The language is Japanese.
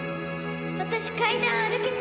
私階段歩けた！